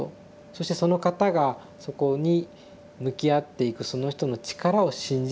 そしてその方がそこに向き合っていくその人の力を信じるということ。